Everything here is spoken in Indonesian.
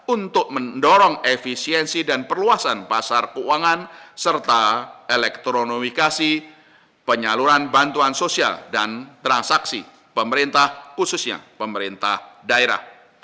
untuk mendorong efisiensi dan perluasan pasar keuangan serta elektronifikasi penyaluran bantuan sosial dan transaksi pemerintah khususnya pemerintah daerah